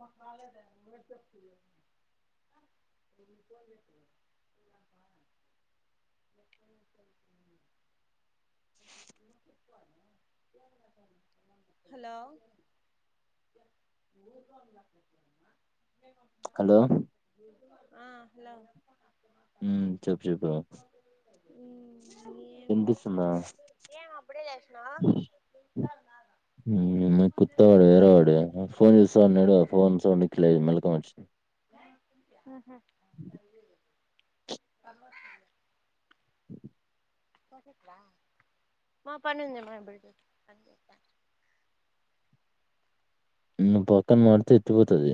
మాకు రాలేదండి ఎవరు చెప్పారు ఫోన్ చేతం హలో హలో ఆ హలో హ్మ్ చెప్పు చెప్పు వినిపిస్తుందా ఏం అప్పుడే చెసినావా హ్మ్ కొత్తవాడు వేరే వాడు ఫోన్ చేస్తా ఫోన్ సౌండ్‌కి లే మెలకువ వచ్చింది అబ మా పన్నందమా ఇప్పుడు నువు పక్కన మడితే ఎత్తిపోతది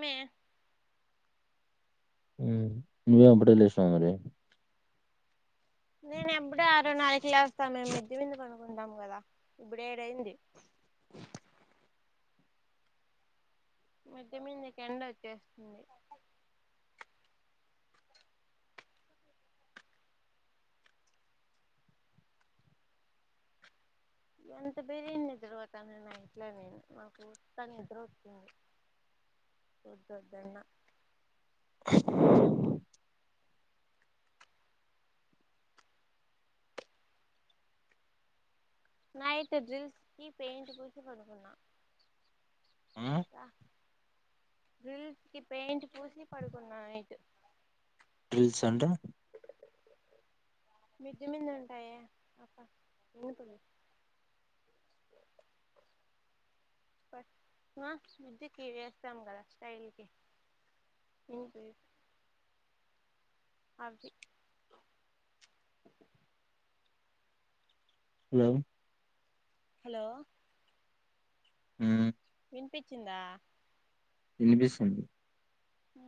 మే హ్మ్ నువ్వేం అప్పుడే లేచినావు మరి నేను ఎప్పుడు అరున్నరకి లేస్తాం మెమ్ మిద్దె మీద పడుకు ఉన్నాం కదా ఇప్పుడు ఏడైంది మిద్దె మిందకి ఎండ వచ్చేస్తుంది ఎంత బిరిన నిద్ర పోతానో నైట్లో నేను నాకు అంత నిద్ర వస్తుంది [inaudible] వద్దొద్దన్న నైట్ డ్రిల్స్కి పెయింట్ పూసి పడుకున్నా ఆ తెల్సా డ్రిల్స్ కి పెయిట్ పూసి పడుకున్నా నైట్ డ్రిల్స్ అంటె మిద్దె మందే ఉంటాయే [inaudible] మా మిద్ది కి ఎస్తాం కదా స్టైల్ కి ము పె అవి హలో హలో ఊ వినిపిచిందా వినిపిస్తుంది ఊ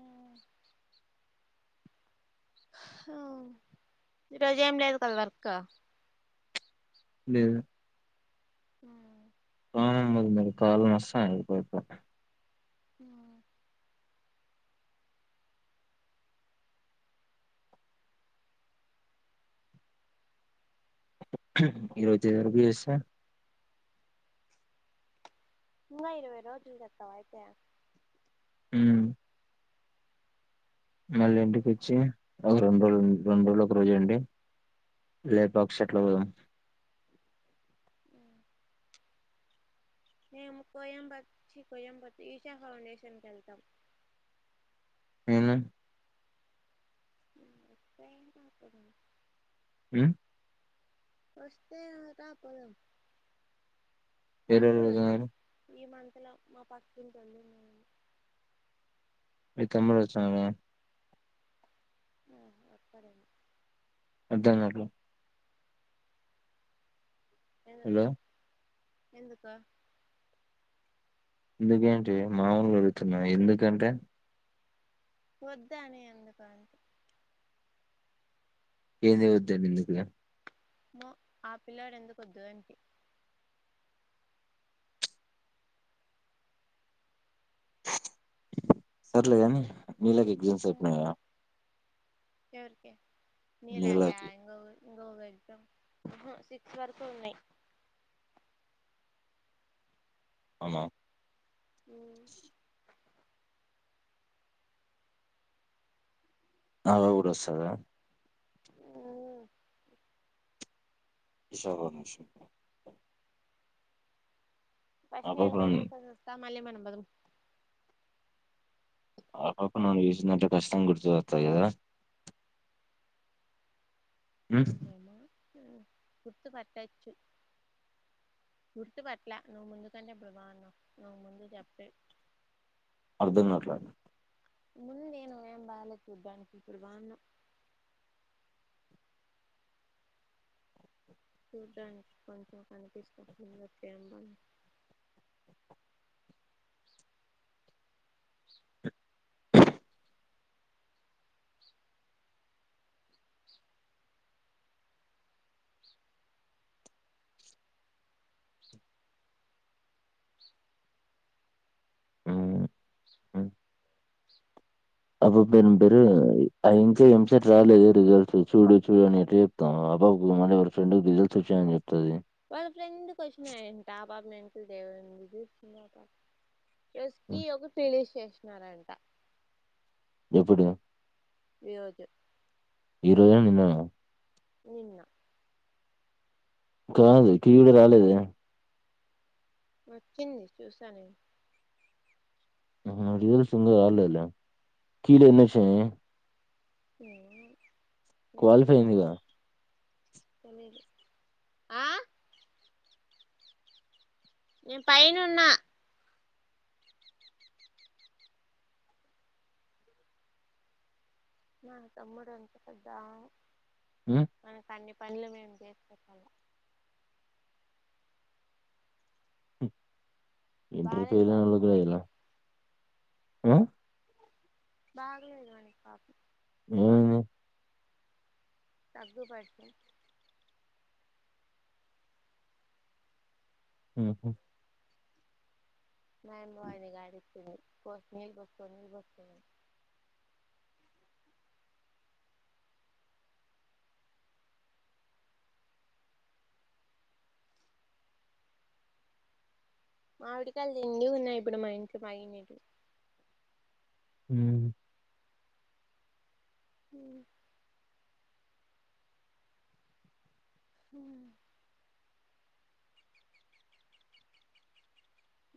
ఈరోజు ఏం లేదు కదా వర్క్ లేదు ఉ [unintelligible] కాలు నస్తాయి అప్పుడప్పుడు ఉ ఆ ఈరోజరుపిస్స ఇంగా ఇరవై రోజులు చేత్తవాయితే ఉ మళ్ళీ ఇంటికి వచ్చి ఒక రెండు రోజులు రెండు రోజులు ఒక రోజో ఉండి లేపాక్షి అట్ల పోదాం ఉ మేము కోయంబత్ చి కోయంబతి ఈషా ఫౌండేషన్ కెళ్తాం నేను [unintelligible] ఉ వస్తె రా పొదం వేరే వాళ్ళు ఎప్పుడు ఇ పోతున్నారు ఈ మంత్ లో మా పక్కంటోళ్లు మేము మి తమ్ముడు వచ్చినడా ఆ వత్తడు మధ్యానం లోపులు హలో ఎందుకొ ఎందుకేంటి మాములు అడుగుతున్నా ఎందుకంటే వద్దనే ఎందుకనీ అ ఏది వద్ద నికు ఇగ మో ఆ పిల్లాడు ఎందుకు వద్దు అనికి సర్లేదని నీళకి ఎగ్జామ్స్ అయిపోయినయా ఎవరికి నీలాకా నీళ్ళకి ఇంక ఎవరికి గోవా ఎగ్జామ్ సిక్స్ వరకే ఉన్నాయి అమా హ్ అమే కూడా వస్తద ఈషా అనుష ఆ ఫస్ట్ పాప నేన్ బోయేసి నన్ను తీస్కొని వస్తా మల్లి మనం బోదం ఆ పాప నన్ను చూసిందంటే కచ్చింతంగ గుర్తు పడ్తాది కదా హ్ గుర్తు పట్టచ్చు గుర్తుపట్లా నువ్వు ముందుకంటే ఇప్పుడు బాగున్నావు నువ్వు ముందు చెప్పే అర్ధం కావట్లే ముందు నేను నేను బాలే చూడ్డానికి ఇప్పుడు బాగున్నావ్ చూడ్డానికి కొంచెం కనిపిస్తుంది వచ్చేయన్న హ్ హ్ అమే పేరు ఏం పేరు ఆమే ఇంకా ఏంసెట్ రాయాలేదు. రిజల్ట్స్ చూడు చూడు అని ఎట్ల చెప్తాము. బబాయ్ కి [unintelligible] రిజల్ట్స్ వచ్చాయ్ అని చెప్పి వాళ్ళ ఫ్రెండ్కి వచ్చినయి అంట పాప ఎంసెట్ దేవునికి ఇచ్చిందట రోజుకి ఉమ్, ఒక తెలీస్ చేసినారంట ఎప్పుడు ఈ రోజు ఈ రోజ నిన్నన నిన్న కాదు టీవీ లో రాలేదే వచ్చింది చూసా నేను ఉ హు రిజల్ట్స్ ఇంకా రాలేదులే కిలో ఎనొచ్చినయ్ క్వాలిఫై అయిందిగా [unintelligible] ఆ నేన్ పైనున్నా మా తమ్ముడు అంత పెద్దా ఉమ్, మనకు అన్ని పనులు మేము చేసిపెట్టాలా ఇంటర్ బాలేదు పాపం ఫెల్అయినోళ్లకు మనకి అదేనా ఆ బాగలేదు వానికి పాపం ఏమైంది తగ్గుపట్టిన్ ఊ హు మాయన బో అడిగింది గాడికి పోసు నీళ్ళు పొసు నీళ్లు బోస్కొని పొ అన్న మామీడికాయలుగా నిండు ఉన్నాయి ఇప్పుడు మా ఇంటి పైనిట ఇటు ఊ ఉ ఊ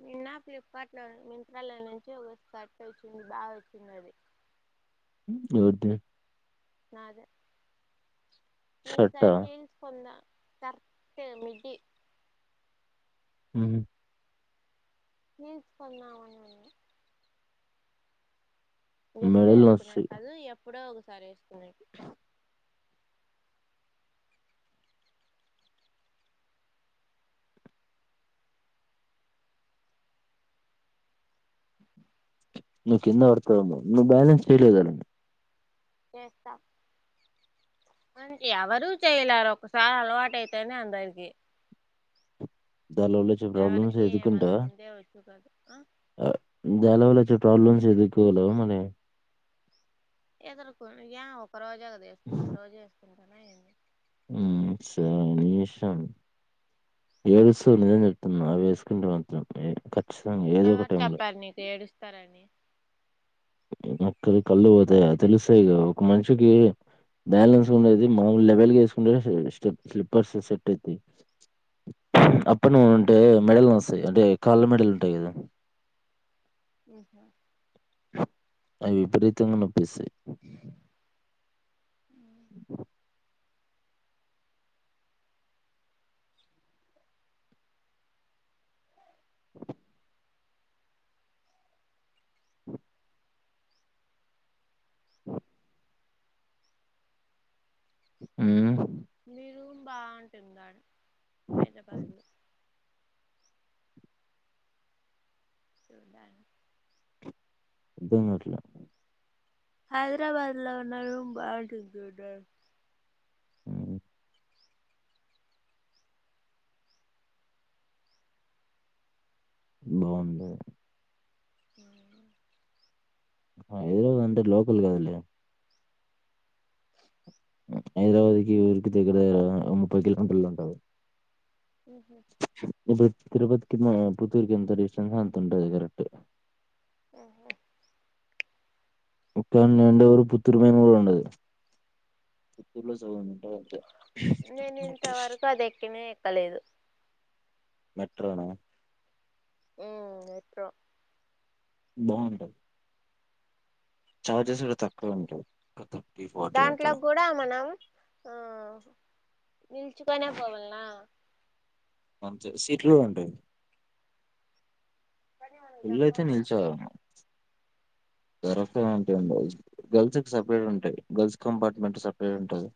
నిన్న ఫ్లిప్ కార్ట్ లో ఇన్స్టాలో నుంచి ఓ షర్ట్ వచ్చింది బాగా వచ్చింది అది [inaudible] ఎవరది నాదే ఈ షర్టా సారి హీల్స్ కొన్నా స్కర్టే మిడ్డీ ఊ ప్లీజ్ కొందామా అన్నా ఎప్పుడు మెడలు వేస్కునేకి నొస్తాయి కాదు ఎప్పుడో ఒకసారి వేసుకొనేకి నేను కింద బడుతోన్నా నువ్వు బాలన్స్ చేయట్లేదు కదండీ చేస్తా ఎవరు చేయలేరు. ఒకసారి అలవాట అయితేనే అందరికి దానిలోల్ల వచ్చే ప్రాబ్లమ్స్ ఎదుర్కొంటా మొత్తానికి ఆ అ దానివల్ల వచ్చే ప్రాబ్లమ్స్ ఏదైతే ఉన్నాయో అవి మనవే ఎదుర్కోండి యాం ఒక రోజే కదా వేసుకునేది రోజూ వేసుకుంటావా మ్ సరే నీ ఇష్టం ఏడుస్తుంది అని చెబుతున్నా అవి వేసుకుంటే మాత్రం ఏంటి పట్ ఎవరు చెప్పారు నీకు ఏడుస్తారని. అక్కడి కళ్ళు పోతాయి కదా తెలుస్తాయి కదా ఒక మనిషికి బ్యాలెన్స్ ఉండేది మామూలు లెవెల్గా వేసుకుంటే స్లిప్పర్స్ సెట్ అవుతాయి. అప్పటి నువంటే మెడల్ నొస్తాయి అంటే కాళ్ళ మెడాలు ఉంటాయి కదా మ్ హు అది విపరీతంగా నొప్పిస్తాయి. [inaudible] అ [inaudible] మ్ మీ రూమ్ బాగుంటుందాండీ హైదరాబాద్ లో చూసాను దుమ్మెట్ల హైదరాబాద్ లో ఉన్న రూమ్ బాగుంటుంది కదా మ్ బాగుంది హ [inaudible] హైద్రాబాద్ అంటే లోకల్ కదలే హైదరాబాద్కి, ఈ ఊరికి దగ్గర. దగ్గర ముప్పై కిలోమీటర్లు ఉంటాది. ఉహు ఇది తిరుపతి కి పుత్తూర్కి ఎంత డిస్టెన్స్ ఉంటాదో అంత ఉంటది కరెక్ట్. అవును ఇక్కన్నే ఉండేవరకు పుత్తూరు కు పోయిన ఉండదు. దీంట్లో సగం ఉంటాది. నేను ఇంతవరకు నేను అది ఎక్కినే ఎక్కలేదు. మెట్రోనా మ్ మెట్రో బాగుంటది చార్జెస్ కూడా తక్కువ ఉంటాయి. దాంట్లో ఉంటాయి. కూడా మనం ఆ పిలుచుకొనే పోవాలా అంతే సీట్లు కూడా ఉంటాయి కానీ మనకు నేను అయితే దొరకవు కదా నిల్చో గలను గరక్ ఏంటిండి గర్ల్స్ సెపరేట్ ఉంటాయి గర్ల్స్ కంపార్ట్మెంట్ సపరేట్ గా ఉంటుంది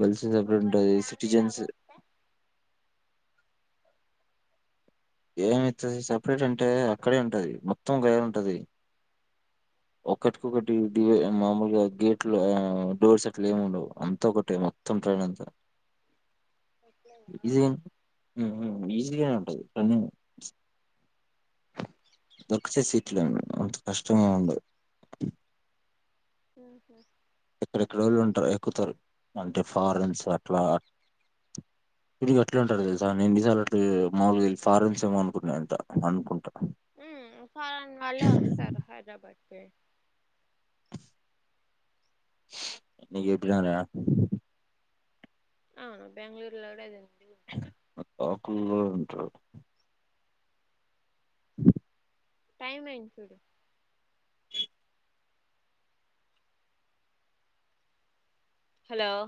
గర్ల్స్ సపరెట్ ఒకవేళ ఉంటుంది ఫ్యామిలీ సిటిజెన్స్ లాగా వస్తే ఏమిటది సపరేట్ అంటే అక్కడే ఉంటుది మొత్తం వేరే ఉంటది ఒకటికొకటి మామూలుగా గేట్ లో డోర్స్ అట్లు ఏమి ఉండవు అంత ఒకటే మొత్తం టైమ్ ఎంత ఇది ఆ ఆ ఉంది కదా తను దొరికితే సీట్లు అంత కష్టంగా ఉండదు ఉ హు ఎక్కడెక్కడళ్ళు ఉంటారు ఎక్కుతారు అంటే ఫారెన్స్ అట్లా మీనికి అట్లా ఉంటారు తెలుసా నేను దసాల అట్టు మాములుగా వెళ్ళ ఫారెన్స్ ఏమో అనుకున్నా అంత అనుకుంటాను ఉ కాదు అన్న వాళ్ళే వస్తారు హైదరాబాద్ కి నీకు చెప్పినారా అవున బెంగళూరులో కూడా ఇదే ఆకుల లో తింటా ఉ టైం అయిదీ చూడు ఉ హలో